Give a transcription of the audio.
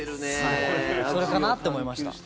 それかなって思いました。